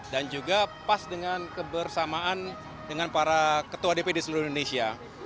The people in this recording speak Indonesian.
dan juga pas dengan kebersamaan dengan para ketua dpd seluruh indonesia